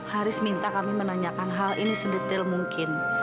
haris minta kami menanyakan hal ini sedetail mungkin